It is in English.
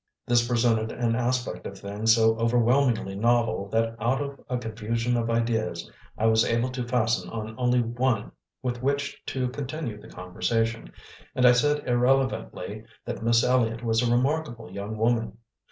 This presented an aspect of things so overwhelmingly novel that out of a confusion of ideas I was able to fasten on only one with which to continue the conversation, and I said irrelevantly that Miss Elliott was a remarkable young woman.